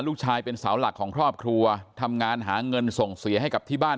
ลูกชายเป็นเสาหลักของครอบครัวทำงานหาเงินส่งเสียให้กับที่บ้าน